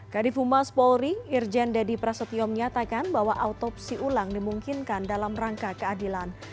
kadifumas polri irjen deddy prasetyom nyatakan bahwa autopsi ulang dimungkinkan dalam rangka keadilan